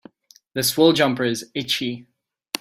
This wool jumper is itchy.